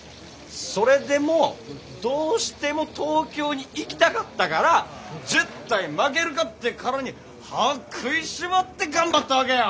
それでもどうしても東京に行きたかったからジェッタイ負けるかってからに歯食いしばって頑張ったわけよ。